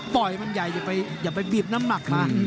ปล่อยมันใหญ่อย่าไปบีบน้ำหนักนะ